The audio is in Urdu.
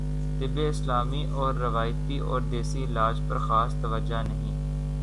طب اسلامی اور روایتی اور دیسی علاج پرخاص توجہ نہیں